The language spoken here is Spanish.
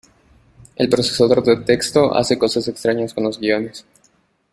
El procesador de texto hace cosas extrañas con los guiones.